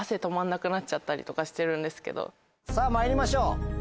さぁまいりましょう。